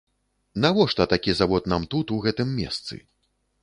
Навошта такі завод нам тут, у гэтым месцы?